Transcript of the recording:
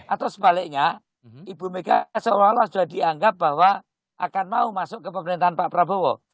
atau sebaliknya ibu mega seolah olah sudah dianggap bahwa akan mau masuk ke pemerintahan pak prabowo